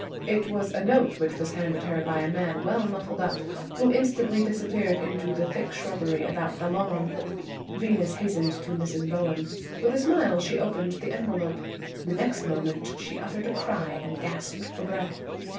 It was a note which was handed her by a man well muffled up, who instantly disappeared in the thick shrubbery about the lawn. Venus hastened to Mrs. Bowen. With a smile she opened the envelope. The next moment she uttered a cry and gasped for breath.